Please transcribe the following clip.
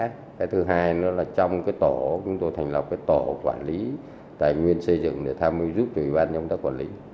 cái thứ hai nữa là trong cái tổ chúng tôi thành lập cái tổ quản lý tài nguyên xây dựng để tham dự giúp tùy ban nhóm tác quản lý